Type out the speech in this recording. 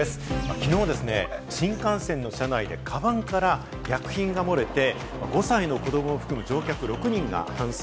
きのうですね、新幹線の車内でカバンから薬品が漏れて、５歳の子どもを含む乗客６人が搬送。